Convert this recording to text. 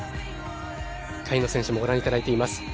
下位の選手もご覧いただいています。